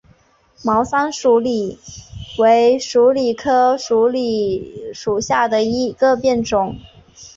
毛山鼠李为鼠李科鼠李属下的一个变种。